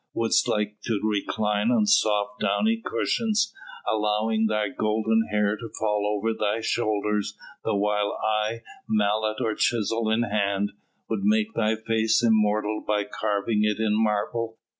Wouldst like to recline on soft downy cushions, allowing thy golden hair to fall over thy shoulders the while I, mallet or chisel in hand, would make thy face immortal by carving it in marble?